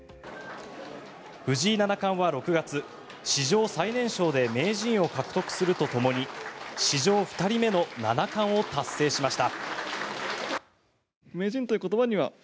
藤井七冠は６月、史上最年少で名人を獲得するとともに史上２人目の七冠を達成しました。